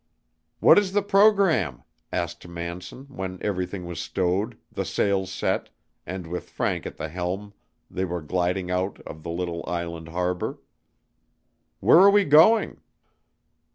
"What is the program?" asked Manson, when everything was stowed, the sails set, and with Frank at the helm they were gliding out of the little island harbor. "Where are we going?"